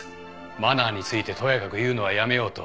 マナーについてとやかく言うのはやめようと。